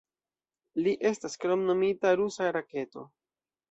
Li estas kromnomita "Rusa Raketo".